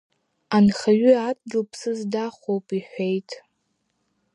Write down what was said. Анхаҩы адгьыл ԥсыс дахоуп иҳәеит.